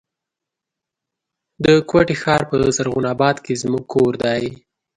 د کوټي ښار په زرغون آباد کي زموږ کور دی.